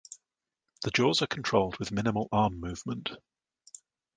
The jaws are controlled with minimal arm movement.